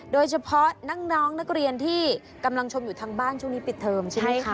โดยเฉพาะน้องนักเรียนที่กำลังชมอยู่ทางบ้านช่วงนี้ปิดเทอมใช่ไหมคะ